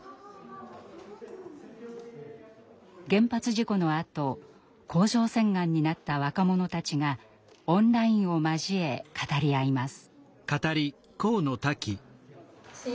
原発事故のあと甲状腺がんになった若者たちがオンラインを交え語り合います。